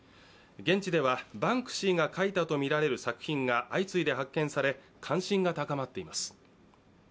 現地ではバンクシーが描いたとされる作品が相次いで発見され、関心が高まっています。